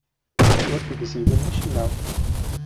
Ur tegzimem acemma.